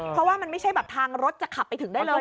เพราะว่ามันไม่ใช่แบบทางรถจะขับไปถึงได้เลย